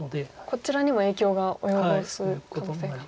こちらにも影響が及ぼす可能性が。